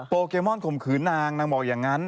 เกมอนข่มขืนนางนางบอกอย่างนั้น